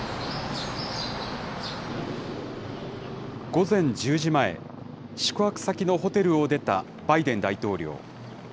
午前１０時前、宿泊先のホテルを出たバイデン大統領。